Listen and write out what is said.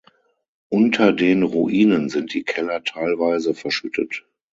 Unter den Ruinen sind die Keller teilweise verschüttet.